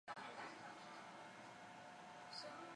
是否需要簽證